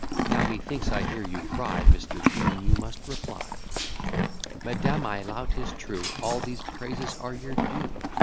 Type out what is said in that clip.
Now, methinks, I hear you cry, Mr. Dean, you must reply. Madam, I allow 'tis true: All these praises are your due.